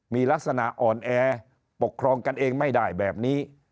มีลักษณะอ่อนแอปกครองกันเองไม่ได้แบบนี้